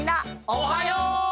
おはよう！